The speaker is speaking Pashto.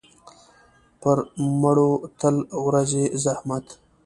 پر مړو تل ورځي زحمت.